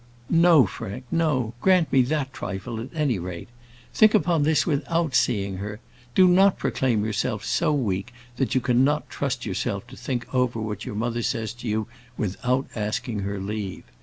"No, Frank, no; grant me that trifle, at any rate. Think upon this without seeing her. Do not proclaim yourself so weak that you cannot trust yourself to think over what your mother says to you without asking her leave.